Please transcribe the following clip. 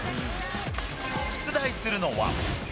出題するのは。